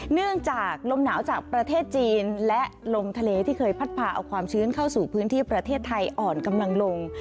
เนื่องจากลมหนาวจากประเทศจีนและลมทะเลที่เคยพัดพาเอาความชื้นเข้าสู่พื้นที่ประเทศไทยอ่อนกำลังลง